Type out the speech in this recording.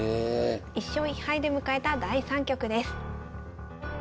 １勝１敗で迎えた第３局です。